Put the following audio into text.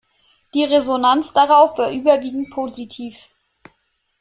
Die Resonanz darauf war überwiegend positiv.